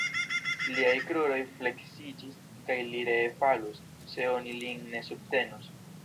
Liaj kruroj fleksiĝis, kaj li ree falus, se oni lin ne subtenus.